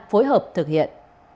phối hợp thực hiện